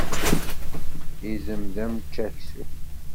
Izem d ameččaksum.